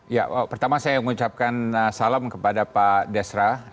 ya pertama saya mengucapkan salam kepada pak desra